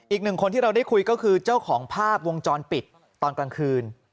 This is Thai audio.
อีกหนึ่งคนที่เราได้คุยก็คือเจ้าของภาพวงจรปิดตอนกลางคืน